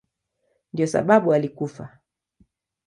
Ndiyo sababu alikufa.